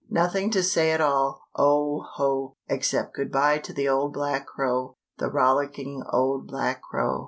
Nothing to say at all, oh, ho! Except goodby to the old black crow The rollicking old black crow!